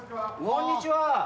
こんにちは。